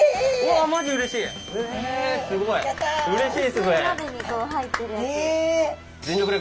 あうれしい！